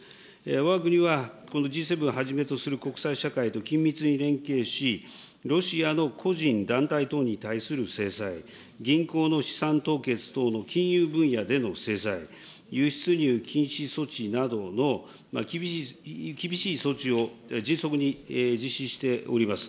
わが国はこのＧ７はじめとする国際社会と緊密に連携し、ロシアの個人団体等に対する制裁、銀行の資産凍結等の金融分野での制裁、輸出入禁止措置などの厳しい措置を迅速に実施しております。